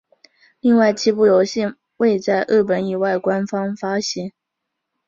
另外七部游戏未在日本以外官方发行。